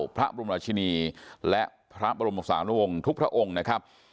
พระบรมราชินีและพระบรมศาลวงศ์ทุกพระองค์นะครับ